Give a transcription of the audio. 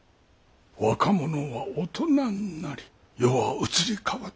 若者は大人になり世は移り変わっていきます。